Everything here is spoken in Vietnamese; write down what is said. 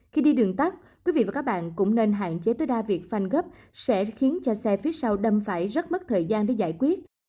khi đi đường tắt quý vị và các bạn cũng nên hạn chế tối đa việc phanh gấp sẽ khiến cho xe phía sau đâm phải rất mất thời gian để giải quyết